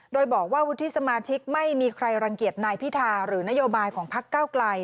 โดยบอกว่าวุฒิสมาชิกไม่มีใครรังเกียจนายพิธาหรือนโยบายของพักเก้าไกล